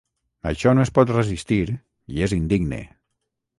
Això no es pot resistir i és indigne.